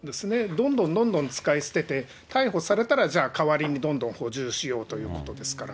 どんどんどんどん使い捨てて、逮捕されたらじゃあ、代わりにどんどん補充しようということですから。